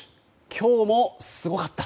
今日もすごかった。